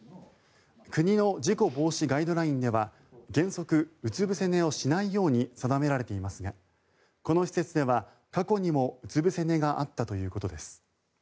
国の事故防止ガイドラインでは原則、うつぶせ寝をしないように定められていますがこの施設では過去にもうつぶせ寝があったということです。